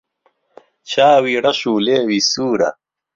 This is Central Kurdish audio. چاوی رەش و لێوی سوورە